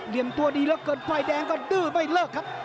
เหลียบตัวดีแล้วเกิดไฟแดงคือดื้อไม่เลิกครับ